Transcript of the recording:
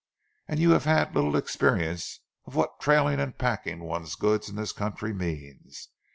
And you have had a little experience of what trailing and packing one's goods in this country means.